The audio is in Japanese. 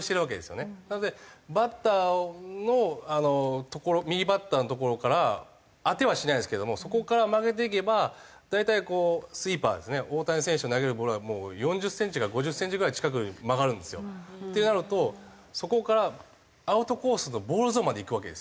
なのでバッターの所右バッターの所から当てはしないですけどもそこから曲げていけば大体こうスイーパーですね大谷選手の投げるボールはもう４０センチから５０センチぐらい近く曲がるんですよ。ってなるとそこからアウトコースのボールゾーンまで行くわけですよ。